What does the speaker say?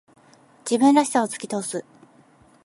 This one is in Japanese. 自分らしさを突き通す。